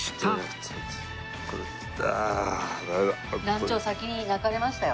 団長先に泣かれましたよ。